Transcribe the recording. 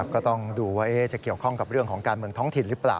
ก็ต้องดูว่าจะเกี่ยวข้องกับเรื่องของการเมืองท้องถิ่นหรือเปล่า